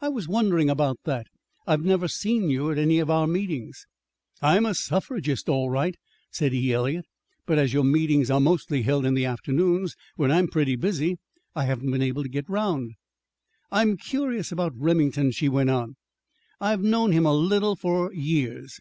"I was wondering about that. I've never seen you at any of our meetings." "I'm a suffragist, all right," said E. Eliot, "but as your meetings are mostly held in the afternoons, when I'm pretty busy, I haven't been able to get 'round. "I'm curious about Remington," she went on. "I've known him a little, for years.